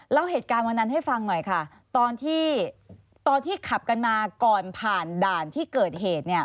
เล่าเหตุการณ์วันนั้นให้ฟังหน่อยค่ะตอนที่ตอนที่ขับกันมาก่อนผ่านด่านที่เกิดเหตุเนี่ย